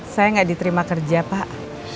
saya nggak diterima kerja pak